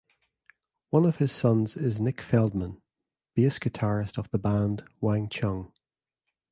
One of his sons is Nick Feldman, bass guitarist of the band Wang Chung.